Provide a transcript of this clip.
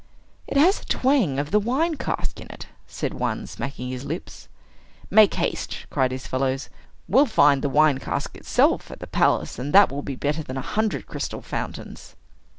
"It has a twang of the wine cask in it," said one, smacking his lips. "Make haste!" cried his fellows: "we'll find the wine cask itself at the palace, and that will be better than a hundred crystal fountains."